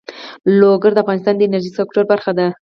لوگر د افغانستان د انرژۍ سکتور برخه ده.